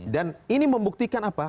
dan ini membuktikan apa